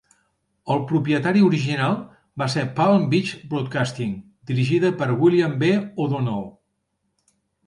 El propietari original va ser Palm Beach Broadcasting, dirigida per William B. O'Donnell.